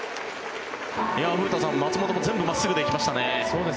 古田さん、松本も全部真っすぐで行きましたね。